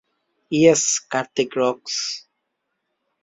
Yes, Kartik rocks!